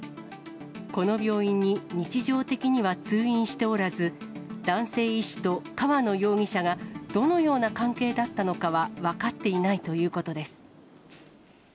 この病院に日常的には通院しておらず、男性医師と川野容疑者がどのような関係だったのかは分かっていないということです。